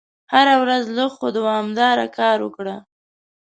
هره ورځ لږ خو دوامداره کار وکړه.